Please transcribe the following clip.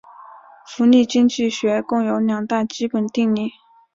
福利经济学共有两大基本定理。